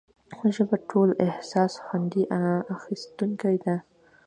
ژبه ټولو حساس خوند اخیستونکې ده.